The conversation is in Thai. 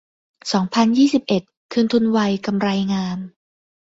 สองพันยี่สิบเอ็ด คืนทุนไว กำไรงาม